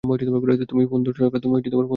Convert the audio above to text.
তুমি ফোন ধরছো না কেন?